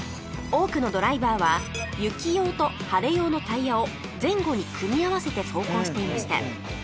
多くのドライバーは雪用と晴れ用のタイヤを前後に組み合わせて走行していました